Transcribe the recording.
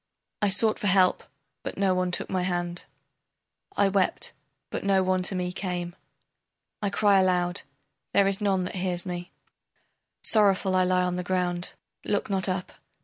I sought for help, but no one took my hand, I wept, but no one to me came, I cry aloud, there is none that hears me, Sorrowful I lie on the ground, look not up.